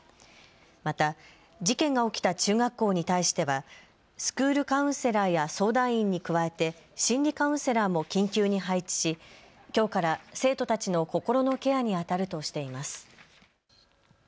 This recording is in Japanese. また事件が起きた中学校に対してはスクールカウンセラーや相談員に加えて心理カウンセラーも緊急に配置し、きょうから生徒たちの心のケアにあたるとしています。